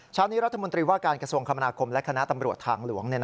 เช้านี้รัฐมนตรีว่าการกระทรวงคมนาคมและคณะตำรวจทางหลวง